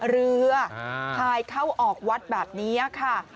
เรือพายเข้าออกวัดแบบนี้ค่ะ